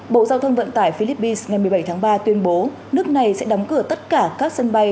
bộ giao thông vận tải philippines ngày một mươi bảy tháng ba tuyên bố nước này sẽ đóng cửa tất cả các sân bay